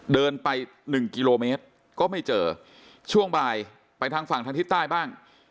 เดินไป๑กิโลเมตรก็ไม่เจอช่วงบ่ายไปทางฝั่งทางทิศใต้บ้าง